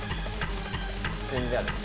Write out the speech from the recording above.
全然ある。